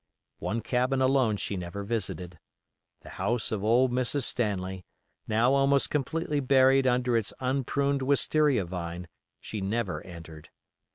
One cabin alone she never visited. The house of old Mrs. Stanley, now almost completely buried under its unpruned wistaria vine, she never entered.